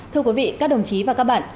thưa quý vị các đồng chí và các bạn